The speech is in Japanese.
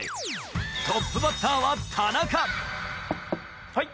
トップバッターは田中はい。